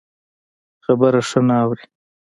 خبره ښه نه اوري.